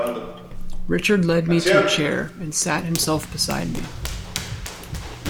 Richard led me to a chair and sat himself beside me.